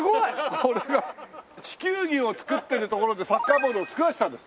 これが地球儀を作ってる所でサッカーボールを作らせたんです。